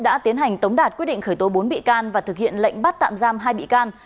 đã tiến hành tống đạt quyết định khởi tố bốn bị can và thực hiện lệnh bắt tạm giam hai bị can